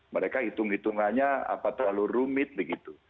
mereka hitung hitungannya apa terlalu rumit begitu